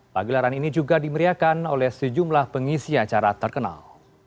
pagelaran ini juga dimeriakan oleh sejumlah pengisi acara terkenal